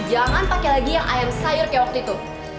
jangan pakai lagi yang ayam sayur kayak waktu itu